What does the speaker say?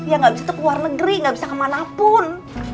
dia nggak bisa ke luar negeri nggak bisa ke manapun